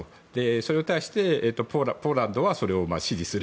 それに対してポーランドがそれを支持する。